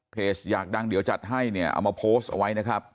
อยากดังเดี๋ยวจัดให้เนี่ยเอามาโพสต์เอาไว้นะครับ